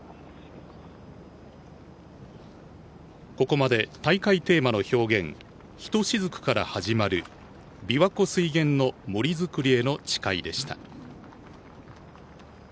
ここまで大会テーマの表現「ひとしずくから始まるびわ湖水源の森林づくりへの誓い」でした。